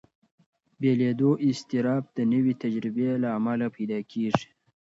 بېلېدو اضطراب د نوې تجربې له امله پیدا کېږي.